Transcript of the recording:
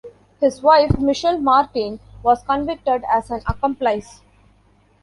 His wife, Michelle Martin, was convicted as an accomplice.